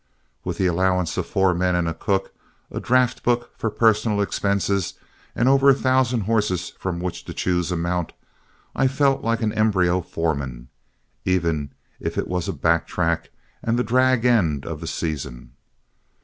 With the allowance of four men and a cook, a draft book for personal expenses, and over a thousand horses from which to choose a mount, I felt like an embryo foreman, even if it was a back track and the drag end of the season.